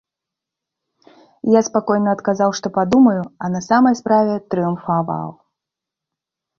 Я спакойна адказаў, што падумаю, а на самай справе трыумфаваў.